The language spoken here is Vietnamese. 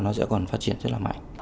nó sẽ còn phát triển rất là mạnh